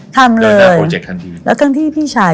ทำเลยแล้วก็ที่พี่ชาย